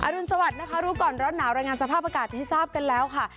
รุนสวัสดิ์นะคะรู้ก่อนร้อนหนาวรายงานสภาพอากาศให้ทราบกันแล้วค่ะ